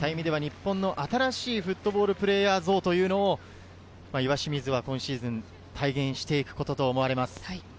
日本の新しいフットボールプレーヤー像を岩清水が今シーズン、体現していくことと思われます。